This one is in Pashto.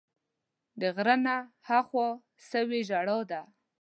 د غره نه ها خوا سوې ژړا ده